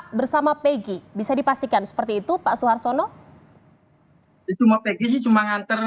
kenapa paul seperti itu kenapa ibu ibu saya